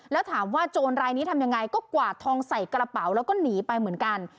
แล้วถามว่าโจรรายนี้ทำยังไงก็กวาดทองใส่กระเป๋าแล้วก็หนีไปเหมือนกัน